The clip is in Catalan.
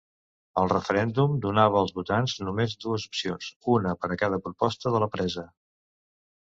El referèndum donava als votants només dues opcions, una per a cada proposta de la presa.